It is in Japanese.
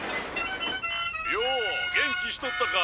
よお元気しとったか。